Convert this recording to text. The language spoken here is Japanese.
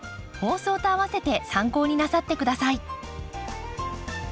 放送とあわせて参考になさって下さい。